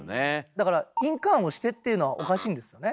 だから「印鑑押して」っていうのはおかしいんですよね。